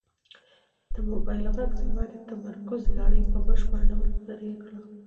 د موبایل غږ زما د تمرکز لړۍ په بشپړ ډول پرې کړه.